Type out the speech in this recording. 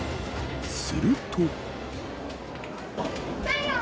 すると。